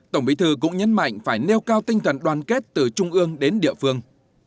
tổng bí thư cũng nhấn mạnh phải nêu cao tinh thần đoàn kết từ trung ương đến địa phương